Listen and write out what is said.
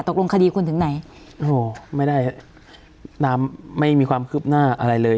ตกลงคดีคุณถึงไหนโอ้โหไม่ได้น้ำไม่มีความคืบหน้าอะไรเลย